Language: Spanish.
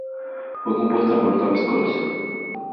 Fue compuesta por Tom Scholz.